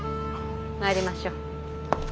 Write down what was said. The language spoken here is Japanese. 参りましょう。